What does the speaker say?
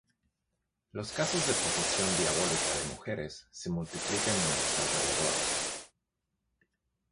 Los casos de posesión diabólica de mujeres se multiplican en los alrededores.